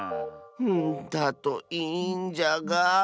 うんだといいんじゃが。